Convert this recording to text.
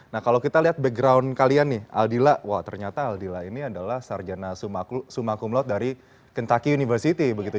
nah kalau kita lihat background kalian nih aldila wah ternyata aldila ini adalah sarjana sumakumlot dari kentaki university begitu